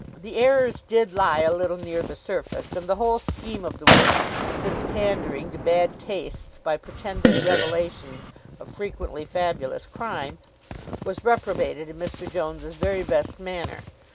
The errors did lie a little near the surface; and the whole scheme of the work, with its pandering to bad tastes by pretended revelations of frequently fabulous crime, was reprobated in Mr. Jones's very best manner.